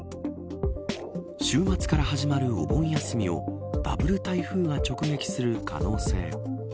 週末から始まるお盆休みをダブル台風が直撃する可能性も。